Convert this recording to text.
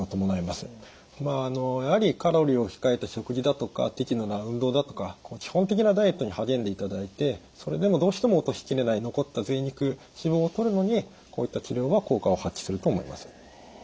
まあやはりカロリーを控えた食事だとか適度な運動だとか基本的なダイエットに励んでいただいてそれでもどうしても落としきれない残ったぜい肉脂肪をとるのにこういった治療は効果を発揮すると思います。